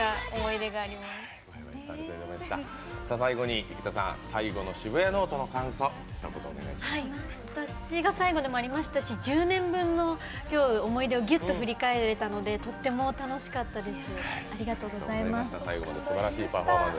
出演が最後でもありましたし１０年分の思い出をぎゅっと振り返れたのでとても楽しかったです。